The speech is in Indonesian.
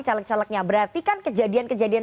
caleg calegnya berarti kan kejadian kejadian